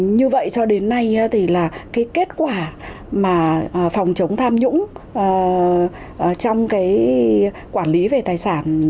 như vậy cho đến nay thì là kết quả phòng chống tham nhũng trong quản lý về tài sản